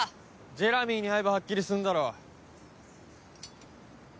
ジェラミーに会えばはっきりすんだろ。